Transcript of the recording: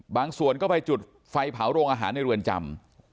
ส่วนก็ไปจุดไฟเผาโรงอาหารในเรือนจำ